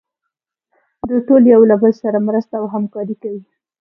دوی ټول یو له بل سره مرسته او همکاري کوي.